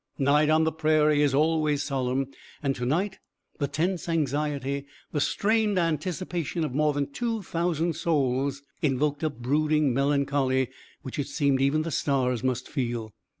Night on the prairie is always solemn, and to night the tense anxiety, the strained anticipation of more than two thousand souls invoked a brooding melancholy which it seemed even the stars must feel.